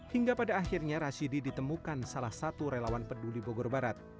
hingga pada akhirnya rashidi ditemukan salah satu relawan peduli bogor barat